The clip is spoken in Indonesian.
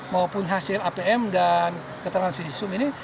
maupun hasil apm dan keterangan visum ini